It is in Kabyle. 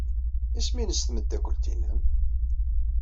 Isem-nnes tmeddakelt-nnem?